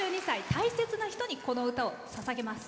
大切な人に、この歌をささげます。